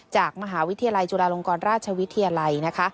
จากมหาวิทยาลัยจุฬาลงกรราชวิทยาลัยนะคะ